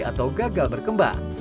atau gagal berkembang